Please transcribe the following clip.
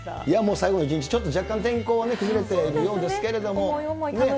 最後の一日、若干天候は崩れてるようですけれども。